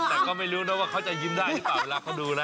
แต่ก็ไม่รู้นะว่าเขาจะยิ้มได้หรือเปล่าเวลาเขาดูนะ